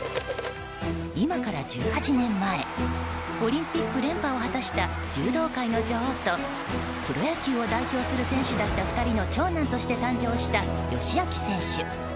今から１８年前オリンピック連覇を果たした柔道界の女王とプロ野球を代表する選手だった２人の長男として誕生した佳亮選手。